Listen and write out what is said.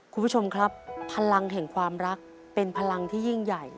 คุณผู้ชมครับพลังแห่งความรักเป็นพลังที่ยิ่งใหญ่